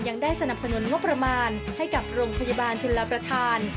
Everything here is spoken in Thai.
ยังได้สนับสนุนงบประมาณให้กับโรงพยาบาลชนลประธาน